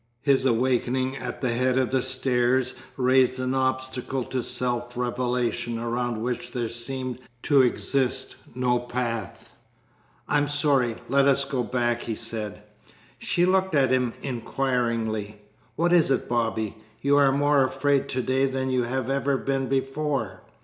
His awakening at the head of the stairs raised an obstacle to self revelation around which there seemed to exist no path. "I'm sorry. Let us go back," he said. She looked at him inquiringly. "What is it, Bobby? You are more afraid to day than you have ever been before.